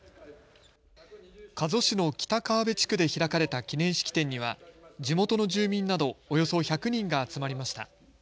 加須市の北川辺地区で開かれた記念式典には地元の住民などおよそ１００人が集まりました。